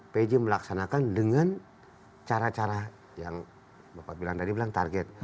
pj melaksanakan dengan cara cara yang bapak bilang tadi bilang target